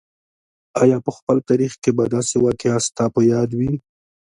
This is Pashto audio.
آیا په خپل تاریخ کې به داسې واقعه ستا په یاد وي.